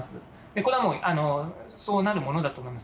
これはそうなるものだと思います。